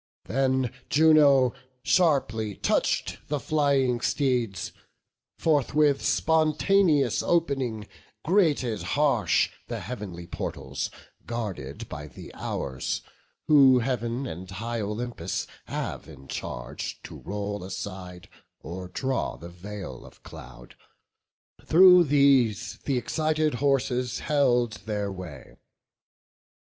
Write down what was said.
Then Juno sharply touch'd the flying steeds: Forthwith spontaneous opening, grated harsh The heavenly portals, guarded by the Hours, Who Heav'n and high Olympus have in charge To roll aside, or draw the veil of cloud. Through these th' excited horses held their way.